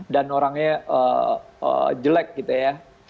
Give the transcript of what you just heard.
dan orangnya jelek gitu ya